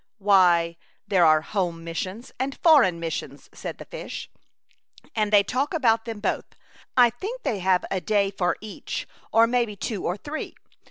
*'" Why, there are home missions and foreign missions/' said the fish. "And they talk about them both. I think they have a day for each, or maybe two or three.